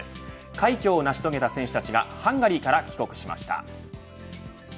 快挙を成し遂げた選手たちがハンガリーから帰国しました。